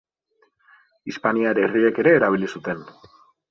Hispaniar herriek ere erabili zuten.